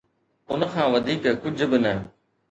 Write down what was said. ان کان وڌيڪ ڪجھ به نه.